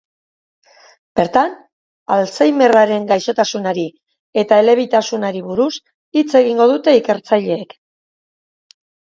Bertan, alzheimerraren gaixotasunari eta elebitasunari buruz hitz egingo dute ikertzaileek.